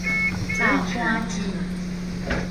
豆乾糋